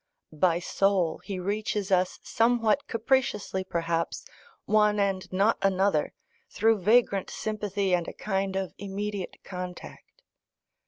By soul, he reaches us, somewhat capriciously perhaps, one and not another, through vagrant sympathy and a kind of immediate contact.